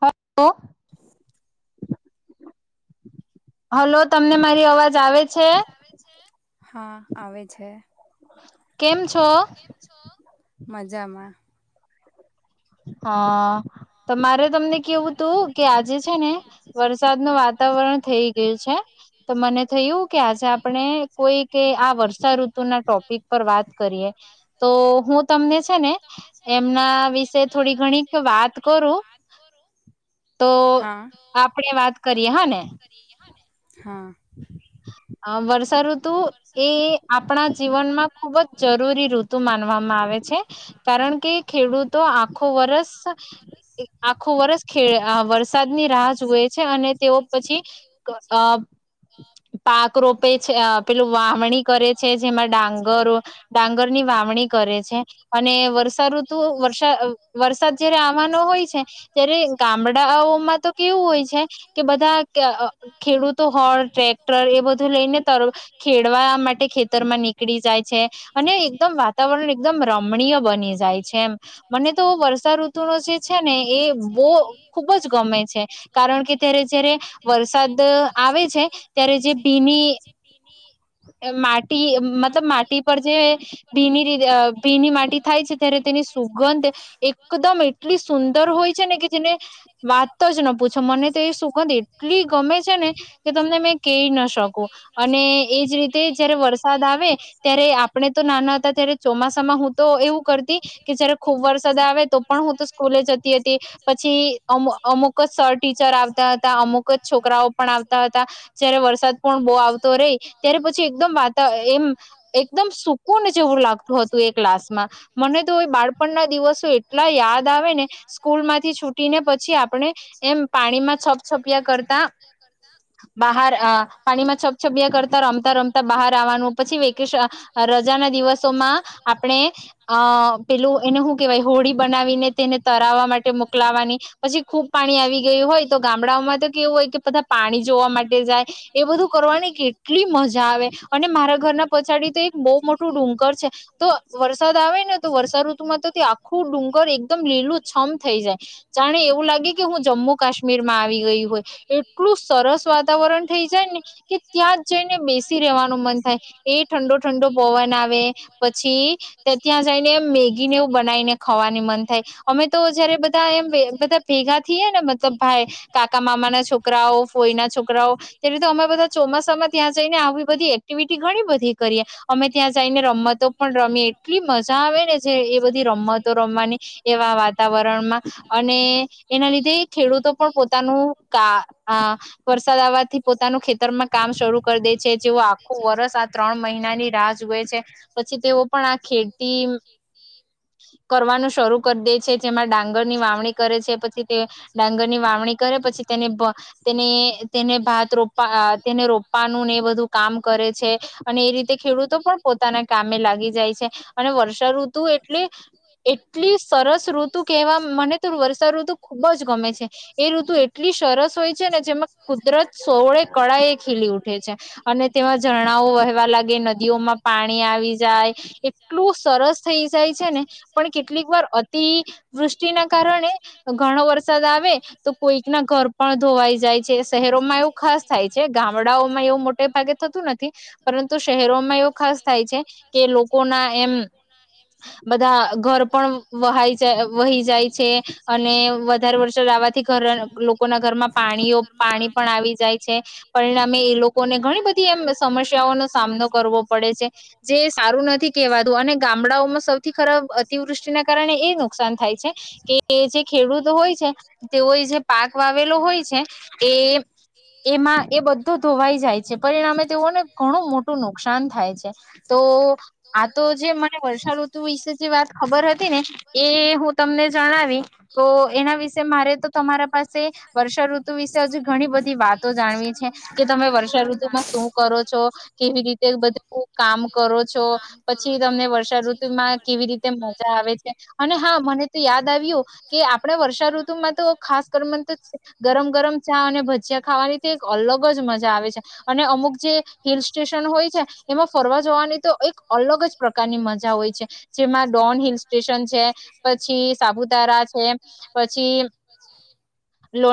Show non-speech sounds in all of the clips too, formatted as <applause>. Hello. Hello. તમને મારી અવાજ આવે છે? હા આવે છે. કેમ છે? કેમ છો? <unintelligible> માજામાં. હા, તમા મારે તમને કેવું તું કે આજે છે ને, વરસાદ નું વાતાવરણ થઈ ગયું છે, તો મને થયું કે આજે આપણે કોઈ કે આ વર્ષા ઋતુ ના ટોપિક પર વાત કરીએ, તો હું તમને છે ને, એમના વિશે થોડી ઘણી વાત કરું, તો આપડે વાત ક હા ને. હા. હ. <inaudible> હ વર્ષાઋ એ આપણા જીવનમાં ખુબ જ જરૂરી ઋતુ માનવામાં આવે છે, કારણ કે ખેડૂતો આખો વર્ષ આખો વર્સ, ખ વરસાદની રાહ જોએ છે, અને તેઓ પછી ભાત રોપે છે. વાવણી કરે છે જેમાં ડાંગરો, ડાંગર ની વાવણી કરે છે, અને વર્ષાઋતુ વ વરસાદ જયારે આવાનો હોય છે, ત્યારે ગામડાઓમાં તો કેવું હોય છે, કે બધા ખેડૂતો હોર ટ્રેક એ બધું લઈને ત ખે પડવા માટે ખેતર માં નીકળી જાય છે, અને એકદમ વાતાવરણ એકદમ રમણીય બની જાય છે એમ, મને તો વર્ષા ઋતુ ન જે છે ને એ બહ ખુબ જ ગમે છે, કારણ કે ત્યારે જયારે, વરસાદ આવે છે. ત્યારે જે ભીની માટી મતલબ માટી પર જે, ભીની રી ભીની માટી થાય છે ત્યારે તેની સુગંધ, એકદમ એટલી સુંદર હોય છે ને કે જેને, વાત જ ન પૂછો મને તો એ સુગંધ એટલી ગમે છે ને, કે તમને મેં કેય ન શકુ, અને એ એજ રીતે જયારે વરસાદ આવે, ત્યારે આપણે તો નાના હતા ત્યારે ચોમાસામાં હું તો એવું કરતી, કે જયારે ખુબ વરસાદ આવે તો પણ હું તો સ્કૂલે જતી હતી, પછી અ અમુક જ સર ટીચર આવતા હતા, અમુક જ છોકરાઓ પણ આવતા હતા. જયારે વરસાદ પણ બહુ આવતો રેય ત પછી એકદમ વાતા એમ, એકદમ સુકુન જેવું લાગતું હતું એ ક્લાસમાં, મને તો બાળપણ ના દિવસો એટલા યાદ આવે ને, સ્કૂલ માંથી છૂટી ને પછી આપણે, એમ પાણીમાં છપ છપયા કરતા. બહાર અઅ પાણીમાં છપછબિયા કર તા રમતા રમતા બહાર આવવાનું પછી વેકેશ રજાના દિવસોમાં આપણે અઅ પેલું એને હું કેવાય હોડી બનાવીને તેને તરાવવા માટે મોકલાવાની પછી ખુબ પાણી આવી ગયું હોય તો ગામડાઓમાં તો કેવું હોય કે બધા પાણી જોવા માટે થાય એ બધું કરવાની કેટલી મ મજા આવે અને મારા ઘરના પછાડી તો એક બોવ મોટું ડુંગર છે તો વરસાદ આવેને તો વર્ષા ઋતુમાં તો આખું ડુંગર એકદમ લીલું છમ થઈ જાય જાણે એવું લાગે કે હું જમ્મુ કાશ્મીરમાં આવી ગયું હોય. એટલું સર વાતાવરણ થઈ જાય ને કે ત્યાં જ જઈ બેસી રહેેવાનું મન થાય. એ ઠંડો ઠંડો પવન આવે પછી ત્યાં જઈને એમ મેગી ને એવું બનાવીને ખા? ખવાની મન થાય. અમે તો જયારે બધા એમ બધા ભેગા થએ ને મતલબ ભાઈ, કાકા-મામાના છોકરાઓ ફોઈ ના છોકરા ત્યારે તો અમે બધા ચોમાસામાં ત્યાં જઈને આવી બધી એક્ટિવિટી ઘણી બધી કરીએ. અમે ત્યાં જઈને રમતો પણ રમીએ એટલી મજા આવે ને જે એ બધી રમતો રમવાની એવા વાતાવરણમાં અને એના લીધે ખેડૂતો પણ પોતાનું કા આ વરસાદ આવવાથી પોતાનું ખેતરમાં કામ શરૂ કર છે જેઓ આખું વરષ આ ત્રણ મહિનાની રાહ જુએ છે. પછી તેઓ પણ આ ખેતી કરવાનું શરૂ કરી દે છે. જેમાં ડાંગરની વાવણી કરે છે. પછી તે ડાંગરની વાવણી કરે પછી તેને ભ તેને તેને ભાત રોપવા અઅ તેને રોપવાનું એ બધું કામ કરે છે અને એ રીતે ખેડૂતો પણ પોતાના કામે લાગી જાય છે અને વર્ષા ઋતુ એટલે એટલી સરસ ઋતુ કેહેવા મને તો વર્ષા ઋતુ ખુબ જ ગમે છે એ ઋતુ એટલી સરસ હોય છે ને જેમાં કુદરત સોળે કળાએ ખીલી ઉઠે છે. અને તેમાં ઝરણાઓ વહેવા લાગે નદીઓમાં પાણી આવી જાય એટલું સરસ થઈ જાય છે ને. પણ કેટલીક વાર અતિવૃષ્ટિના કારણે ઘણો વરસાદ આવે તો કોઈક ના ઘર પણ ધોવાઈ જાય શહેરોમાં એવું ખાસ થાય છે. ગામડાઓમાં એ ભાગે થતું નથી. પરંતુ શહેરોમાં એવ ખાસ થાય છે કે લોકોના એમ બધા ઘર પણ વહાઇ જાય, વહી જાય છે અને વધારે વરસાદ આવવાથી લોકોના ઘરમાં પાણીઓ પાણી પણ આવી જાય છે. પરિણામે એ લોકો લોકોને ઘણી બધી એમ સમસ્યાઓનો સામનો કરવો પડે છે. જે સારું નથી કેહેવાતું અને ગામડાઓમાં સૌથી ખરાબ અતિવૃષ્ટિના કારણે એ નુકસાન થાય છે કે જે ખેડૂત હોય છે તેઓએ જે પાક વાવેલો હોય છે. એ એમાં એ બધ ધુ ધોવાઈ જાય છે. પરિણામે તેઓને ઘણું મોટું નુકસાન થાય છે. તો આ તો જે મને વર્ષાઋતુ વિશે જે વાત ખબર હતી ને એ હું તમને જણાવી તો એના વિશે મારે તો તમારા પાસે વર્ષાઋતુ ઋતુ વિશે હજુ ઘણી બધી વાતો જાણવી છે કે તમે વર્ષા ઋતુમાં શું કરો છો, કેવી રીતે બધું કામ કરો છો, પછી તમને વર્ષા ઋતુમાં કેવી રીતે મજા આવે છે અને હા મને તો યાદ આવ્યું કે આપણે વર્ષા ઋતુમાં તો ખાસ કર મને તો ગરમ ગરમ ચા અને ભજીયા ખાવાની તો એક અલગ જ મજા આવે છે અને અમુક જે હિલ સ્ટેશન હોય છે એમાં ફરવા જવાની તો એક અલગ જ પ્રકારની મજા હોય છે. જેમાં ડોન હિલ સ્ટેશન છે, પછી સાપુતારા છે પછી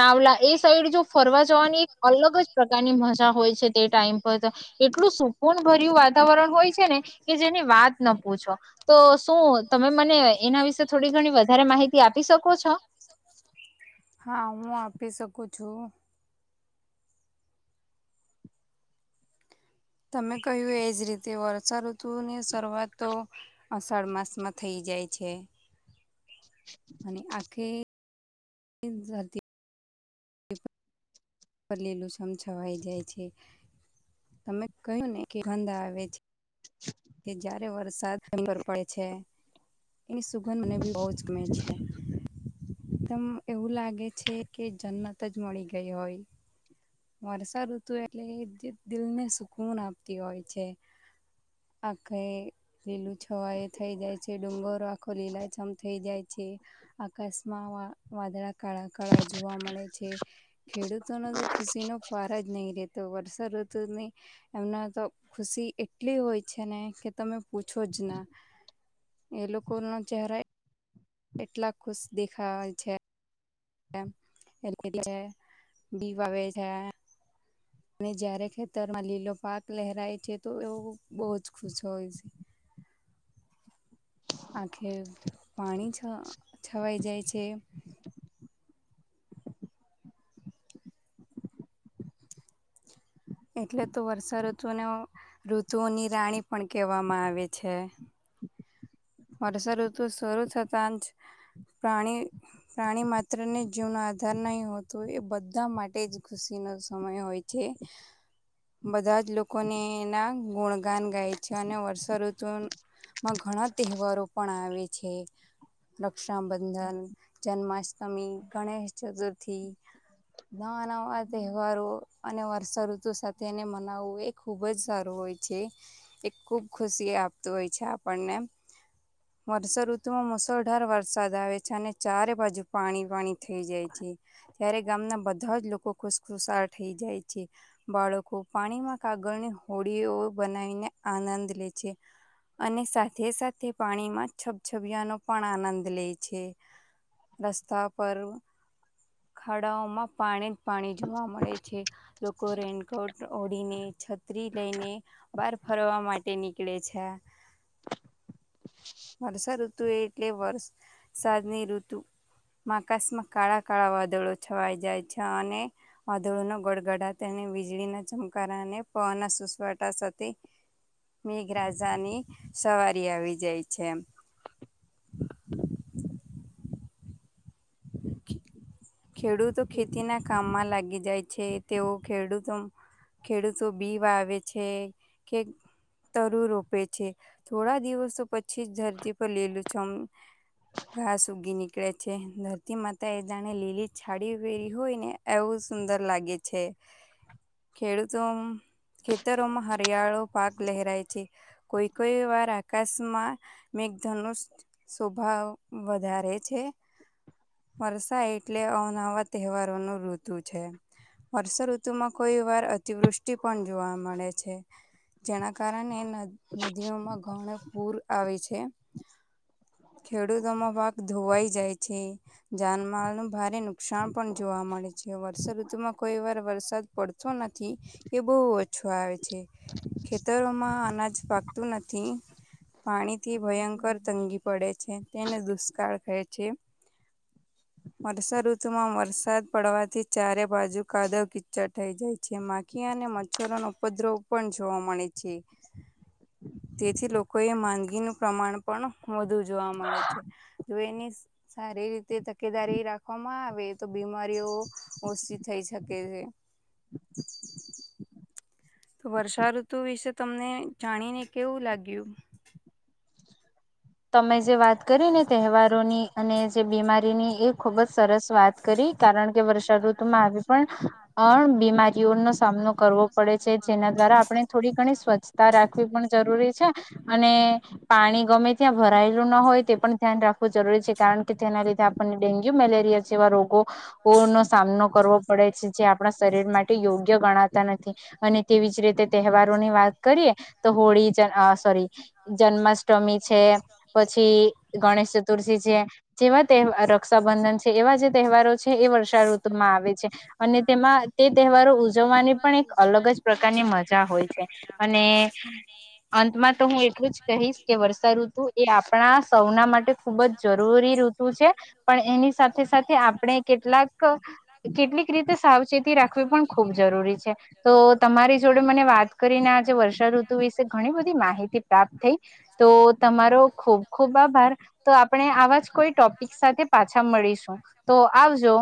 નાવલા એ સાઈડ જો ફરવા જવાની એક અલગ જ પ્રકારની મજા હોય છે તે ટાઈમ પર તો એટલું સુકૂન ભર્યું વાતાવરણ હોય છે ને કે જેની વાત ન પૂછો તો શું તમે મને એના વિશે થોડી ઘણી વધારે માહિતી આપી શકો છો? હા, હું આપી શકું છું. તમે કહ્યું એજ રીતે વર્ષાઋતુ ને શરૂઆત તો અષાઢ માસ માં થઇ જાય છે. અને આખે એ જાતી ર લીલું છમછવાઈ જાય છે. તમે કહ્યું ને કે ગંધ આવે છ કે જ્યારે વરસાદ <unintelligible> પડે છે એની સુગંધ મને બી બહું જ ગમે છે. એકદમ એવું લાગે છે કે જન્નત જ મળી ગઈ હોય. વર્ષાઋતુ એટલે દિ દિલને સુકૂન આપતી હોય છે. આખે લીલું છવાયું થઈ જાય છે, ડુંગરો આખો લીલાછમ થઈ જાય છે, આકાશમાં વા વાદળા કાળા કાળા જોવા મળે છે. ખેડૂતો નો તો ખુશી નો પાર જ નહી રહેતો, વર્ષા ઋતુ ની એમને તો ખુશી એટલી હોય છે ને કે તમે પૂછો જ ના. એ લોકો નો ચહેરા એટલા ખુશ દેખાવાય છે છે <unintelligible> અને જયારે ખેતરમાં લીલો પાક લહેરાય છે, તો એવું બહુ જ ખુશ હોય સે. આખે પાણી છ છવાઈ જાય છે એટલે તો વર્ષાઋતુને ઋતુઓની રાણી પણ કહેવામાં આવે છે. વર્ષાઋતુ શરૂ થતા જ પ્રાણી-પ્રાણી માત્રને જીવનો આધાર નહીં હોતો, એ બધા માટે જ ખુશોનો સમય હોય છે, બધા જ લોકોને એના ગુણગાન ગાય છે, અને વર્ષાઋતુમાં ઘણા તહેવારો પણ આવે છે. રક્ષાબંધન, જન્માષ્ટમી, ગણેશ ચતુર્થી, નવા-નવા તહેવારો, અને વર્ષાઋતુ સાથે એને મનાવવું, એ ખૂબ જ સારું હોય છે. એ ખૂબ ખુશી આપતું હોય છે આપણને. વર્ષા ઋતુમાં મુશળધાર વરસાદ આવે છે, અને ચારે બાજુ પાણી-પાણી થઈ જાય છે, ત્યારે ગામના બધા જ લોકો ખુશખુશાલ થઈ જાય છે. બાળકો પાણીમાં કાગળની હોડીઓ બનાવીને આનંદ લે છે, અને સાથે સાથ થે પાણીમાં છબછબિયાનો પણ આનંદ લે છે. રસ્તા પર ખાડાઓમાં પાણી પાણી જોવા મળે છે. લોકો રેનકોટ ઓઢીને છત ત્રી લઈને બહાર ફરવા માટે નીકળે છે. વર્ષા ઋતુ એટલે વરસાદની ઋતુ, માકાશમાં કાળા કાળા વાદળો છવાઈ જાય છે અને, વાદળોનો ગડગડા તેને વીજળીના ચમકારા અને પવના સુસવાટા સાથે, મેઘરાજાની સવારી આવી જાય છેમ. ખેડૂતો ખેતીના કામમાં લાગી જાય છે તેઓ ખેડૂતો, ખેડૂતો બી વાવે છે, કે તરુ રોપે છે, થોડા દિવસો પછી જ ધરતી પર લીલું છમ ઘાસ ઉગી નીકળે છે, ધરતી માતા એ જાણે લીલી છાડી વેરી હોય ને એવું સુંદર લાગે છે, ખેડૂતો ખેતરોમાં હરિયાળો પાક લહેરાય છે, કોઈ કોઈ વાર આકાશમાં મેઘધનુષ સ્વભાવ વધારે છે, વરસા એટલે અવનવા તહેવારો ન ઋતુ છે, વર્ષ ઋતુમાં કોઈ વાર અતિવૃષ્ટિ પણ જોવા મળે છે, જેના કારણે નદીઓમાં ઘઉણ પૂર આવે છે, ખેડૂતોમાં પાક ધોવાઈ જાય છે, જાનમાલ ન ભારે નુકસાન પણ જોવા મળે છે વર્ષઋતુમાં કોઈ વાર વરસાદ પડતો નથી, એ બહુ ઓછો આવે છે. ખેતરોમાં અનાજ પાકતું નથી, પાણીથી ભયંકર તંગી પડે છે તેને દુષ્કાળ કહે છે. વર્ષા ઋતુમાં વરસાદ પડવાથી ચારે બાજુ કાદવ કીચડ થઈ જાય છે માખી અને મચ્છરો ન ઉપદ્રવ પણ જોવા મળે છે, તેથી લોકોએ માંદગીનું પ્રમાણ પણ વધુ જોવા મળે છે, જો એની સારી રીતે તકેદારી રાખવામાં આવે તો બીમારીઓ ઓછી થઈ શકે છે. તો વર્ષાઋતુ વિશે તમને જાણીને કેવું લાગ્યું? તમે જે વાત કરી ને તહેવારોની. અને જે બીમારીની એ ખુબ જ સરસ વાત કરી. કારણ કે વર્ષાઋતુમાં આવી પણ, અણ બીમારીઓનો સામનો કરવો પડે છે જેના દ્વારા આપણે થોડી ઘણી સ્વચ્છતા રાખવી પણ જરૂરી છે, અને પાણી ગમે ત્યા ભરાયેલું ના હોય તે પણ ધ્યાન રાખવું જરૂરી છે કારણ કે તેના લીધે આપણને ડેન્ગ્યુ મેલેરિયા જેવા રોગો સામનો કરવો પડે છે, જે આપણા શરીર માટે યોગ્ય ગણાતા નથી, અને તેવી જ રીતે તહેવારોની વાત કરીએ તો હોળી જ સોરી, જન્માષ્ટમી છે, પછી ગણેશ ચતુર્થી છે જેવા તહેવ અહ રક્ષાબંધન છે એવા જે તહેવારો છે એ વર્ષા ઋતુમાં આવે છે, અને તેમાં તે તહેવારો ઉજવવાની પણ એક અલગ જ પ્રકારની મજા હોય છે, અને અંતમાં તો હું એટલું જ કહીશ કે વરસ સા ઋતું એ આપણા સૌના માટે ખુબ જ જરૂરી ઋતુ છે, પણ એની સાથે-સાથે આપણે કેટલાક કેટલીક રીતે સાવચેતી રાખવી પણ ખૂબ જરૂરી છે. તો તમારી જોડે મને વાત કરીને આજે વર્ષા ઋતુ વિશે ઘણી બધી માહિતી પ્રાપ્ત થઈ. તો તમારો ખુબ-ખુબ આભાર. તો આપણે આવા ટોપિક સાથે પાછા મળીશું, તો આવજો.